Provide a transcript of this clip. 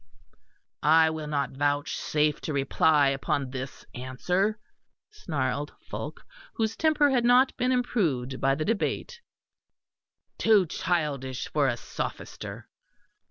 "I will not vouchsafe to reply upon this answer," snarled Fulke, whose temper had not been improved by the debate "too childish for a sophister!"